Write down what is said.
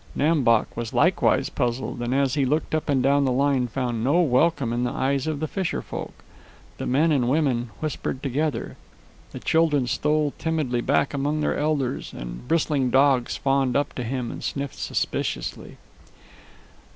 Nam Bok was likewise puzzled, and as he looked up and down the line found no welcome in the eyes of the fisherfolk. The men and women whispered together. The children stole timidly back among their elders, and bristling dogs fawned up to him and sniffed suspiciously.